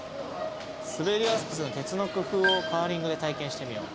「すべりやすくするための鉄の工夫をカーリングで体験してみよう」